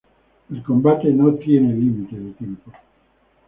El combate no tiene límite de tiempo.